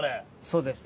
そうです。